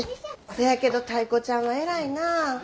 せやけどタイ子ちゃんは偉いなあ。